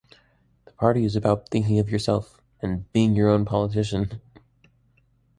The party is about "thinking for yourself" and "being your own politician".